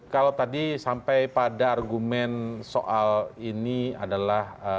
kalau tadi sampai pada argumen soal ini adalah